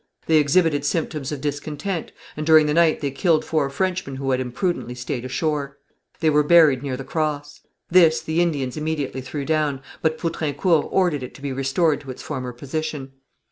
They exhibited symptoms of discontent, and during the night they killed four Frenchmen who had imprudently stayed ashore. They were buried near the cross. This the Indians immediately threw down, but Poutrincourt ordered it to be restored to its former position.